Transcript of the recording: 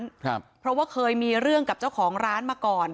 ครับเพราะว่าเคยมีเรื่องกับเจ้าของร้านมาก่อน